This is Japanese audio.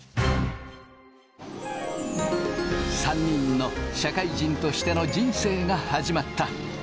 ３人の社会人としての人生が始まった。